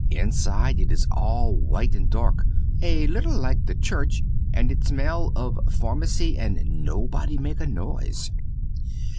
Inside it is all white and dark, a little like the church, and it smell of pharmacy and nobody make a noise.